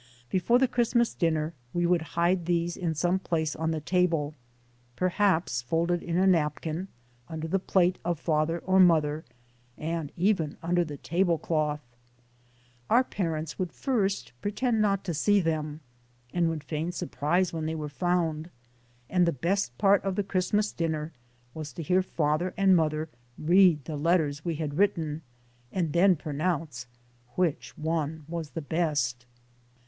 Before the Christmas dinner, we would hide these in some place on the table, perhaps folded in a napkin, under the plate of father or mother, and even under the tablecloth. Our parents would first pretend not to see them, and would feign surprise when they were found, and the best part of the Christmas dinner was to hear father and mother read the letters we had written, and then pronounce which one was the best.